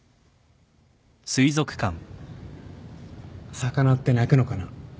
魚って泣くのかな？